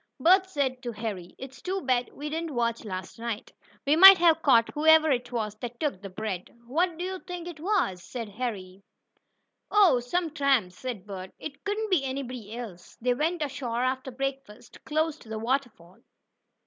Bert did say to Harry: "It's too bad we didn't watch last night. We might have caught whoever it was that took the bread." "Who do you think it was?" asked Harry. "Oh, some tramps," said Bert. "It couldn't be anybody else." They went ashore after breakfast, close to the waterfall.